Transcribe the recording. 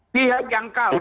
pihak yang kalah